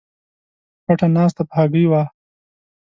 پټه ناسته په هګۍ وای